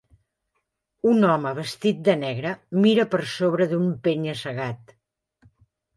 Un home vestit de negre mira per sobre d'un penya-segat.